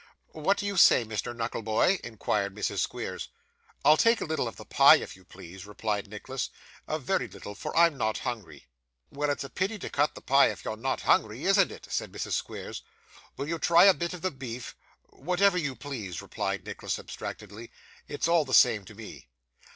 'What do you say, Mr. Knuckleboy?' inquired Mrs. Squeers. 'I'll take a little of the pie, if you please,' replied Nicholas. 'A very little, for I'm not hungry.' Well, it's a pity to cut the pie if you're not hungry, isn't it?' said Mrs. Squeers. 'Will you try a bit of the beef?' 'Whatever you please,' replied Nicholas abstractedly; 'it's all the same to me.